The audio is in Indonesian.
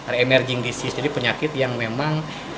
re emerging disease jadi penyakit yang memang